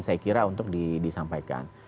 saya kira untuk disampaikan